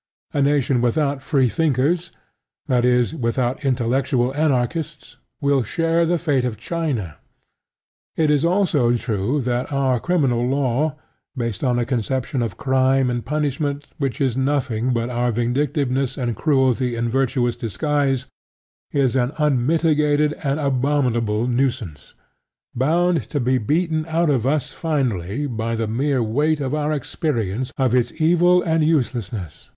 A nation without Freethinkers that is, without intellectual Anarchists will share the fate of China. It is also true that our criminal law, based on a conception of crime and punishment which is nothing but our vindictiveness and cruelty in a virtuous disguise, is an unmitigated and abominable nuisance, bound to be beaten out of us finally by the mere weight of our experience of its evil and uselessness.